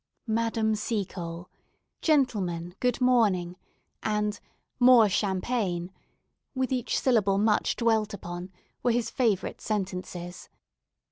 "Madame Seacole," "Gentlemen, good morning," and "More champagne," with each syllable much dwelt upon, were his favourite sentences.